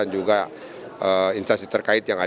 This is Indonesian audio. dan juga instansi terkait yang ada